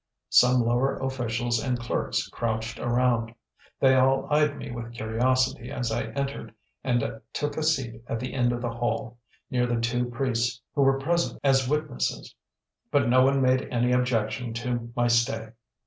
Some lower officials and clerks crouched around. They all eyed me with curiosity as I entered and took a seat at the end of the hall, near the two priests who were present as witnesses; but no one made any objection to my stay.